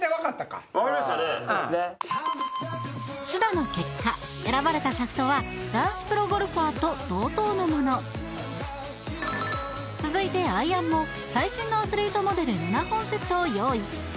試打の結果選ばれたシャフトは男子プロゴルファーと同等のもの続いてアイアンも最新のアスリートモデル７本セットを用意。